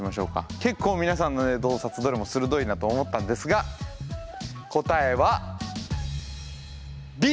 結構皆さんのね洞察どれも鋭いなと思ったんですが答えはＢ。